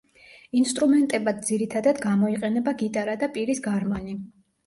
ინსტრუმენტებად ძირითადად გამოიყენება გიტარა და პირის გარმონი.